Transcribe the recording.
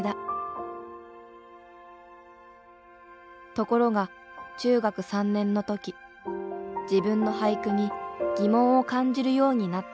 ところが中学３年の時自分の俳句に疑問を感じるようになった。